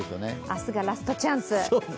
明日がラストチャンス。